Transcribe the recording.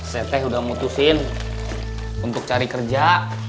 seteh sudah mutusin untuk cari kerja